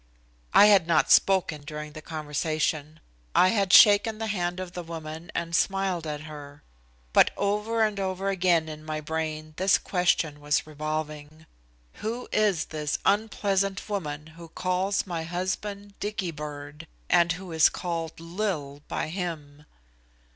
I had not spoken during the conversation. I had shaken the hand of the woman and smiled at her. But over and over again in my brain this question was revolving: "Who is this unpleasant woman who calls my husband 'Dicky bird,' and who is called 'Lil' by him?"